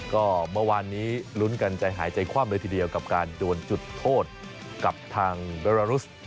ก็เมื่อวานนี้ลุ้นกันใจหายใจคว่ำเลยทีเดียวกับการดวนจุดโทษกับทางเบรารุส